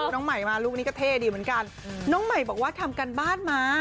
น้องใหม่มาลูกนี้ก็เท่ดีเหมือนกันน้องใหม่บอกว่าทำการบ้านมา